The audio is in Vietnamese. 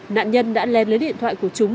nạn nhân đã lén lấy điện thoại của chúng